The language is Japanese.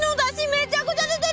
めちゃくちゃ出てる！